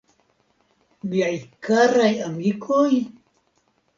Miaj karaj amikoj?